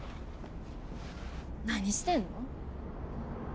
何してんの？